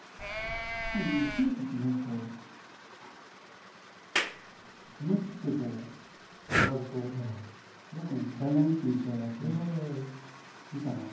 とにかくねこう思い切って飾るとすごくダイナミックに仕上がっていいかなと。